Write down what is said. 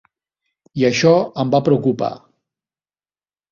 I això em va preocupar.